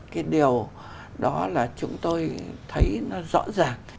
cái điều đó là chúng tôi thấy nó rõ ràng